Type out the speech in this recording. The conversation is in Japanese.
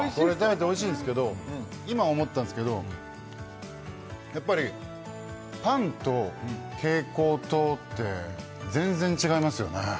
おいしいんですけど今思ったんですけどやっぱりパンと蛍光灯って全然違いますよね